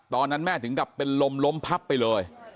ตอนนั้นแม่ถึงกับเป็นลมล้มพับไปเลย